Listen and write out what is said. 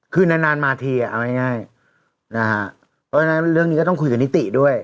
คือนานมาทีเอาไงแง่เรื่องนี้ก็ต้องคุยกับนิติด้วย